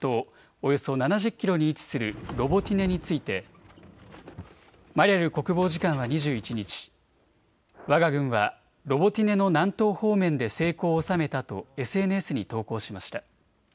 およそ７０キロに位置するロボティネについてマリャル国防次官は２１日、わが軍はロボティネの南東方面で成功を収めたとＳＮＳに投稿しました。